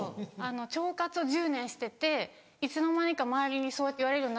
腸活を１０年してていつの間にか周りにそうやって言われるように。